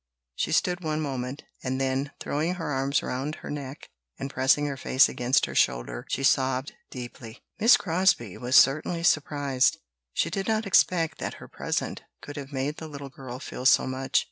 She stood one moment, and then, throwing her arms round her neck and pressing her face against her shoulder, she sobbed deeply. Miss Crosbie was certainly surprised; she did not expect that her present could have made the little girl feel so much.